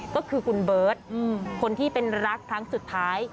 ก็คือคุณเบิร์ตคนที่เป็นรักครั้งสุดท้าย